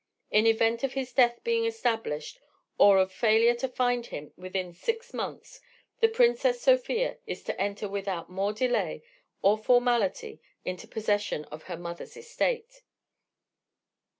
In event of his death being established or of failure to find him within six months, the Princess Sofia is to enter without more delay or formality into possession of her mother's estate.